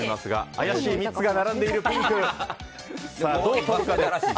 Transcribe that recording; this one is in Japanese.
怪しい３つが並んでいる。